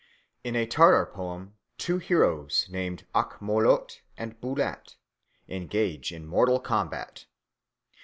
In a Tartar poem two heroes named Ak Molot and Bulat engage in mortal combat.